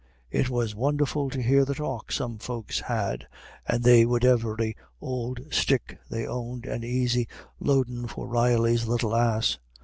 It was won'erful to hear the talk some folks had, and they wid every ould stick they owned an aisy loadin' for Reilly's little ass."